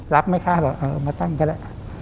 รับไหมคะบอกเออมาตั้งก็ได้